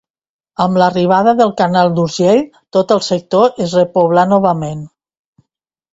Amb l'arribada del canal d'Urgell tot el sector es repoblà novament.